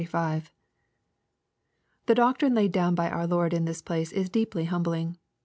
The doctrine laid down by our Lord in this place is deeply humbling.